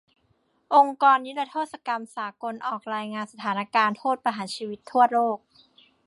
องค์กรนิรโทษกรรมสากลออกรายงานสถานการณ์โทษประหารชีวิตทั่วโลก